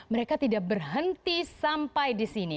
mereka tidak berhenti sampai di sini